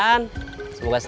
ada apa keluar dari diden